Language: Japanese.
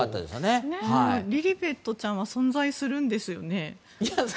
リリベットちゃんは存在するんですよね？